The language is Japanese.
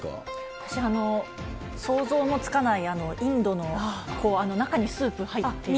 私、想像もつかないインドの、中にスープが入っている。